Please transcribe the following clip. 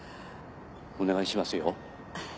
お願いしますよ。